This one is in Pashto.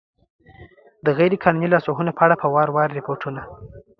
د غیر قانوني لاسوهنو په اړه په وار وار ریپوټون